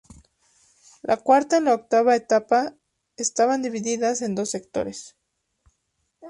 La cuarta y la octava etapas estaban divididas en dos sectores.